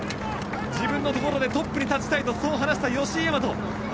自分のところでトップに立ちたいと話した吉居大和。